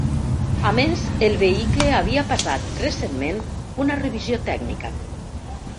A més, el vehicle havia passat recentment una revisió tècnica.